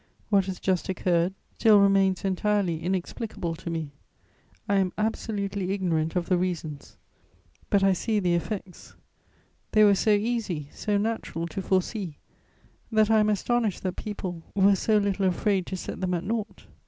What has just occurred still remains entirely inexplicable to me; I am absolutely ignorant of the reasons, but I see the effects; they were so easy, so natural to foresee, that I am astonished that people were so little afraid to set them at naught.